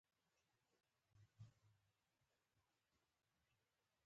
پرکومه لار به چي ورتلمه، زمانه تیره ده